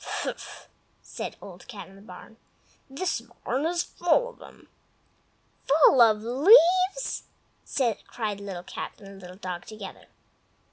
"Fffff!" said Old Cat in the Barn. "This barn is full of 'em!" "Full of leaves!" cried Little Cat and Little Dog together.